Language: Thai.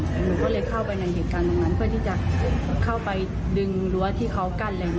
หนูก็เลยเข้าไปในเหตุการณ์ตรงนั้นเพื่อที่จะเข้าไปดึงรั้วที่เขากั้นอะไรอย่างนี้